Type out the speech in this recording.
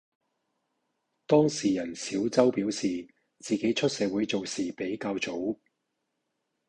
當事人小周表示，自己出社會做事比較早。